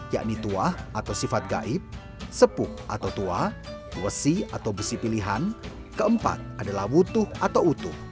yakni tuah atau sifat gaib sepuh atau tua wesi atau besi pilihan keempat adalah wutuh atau utuh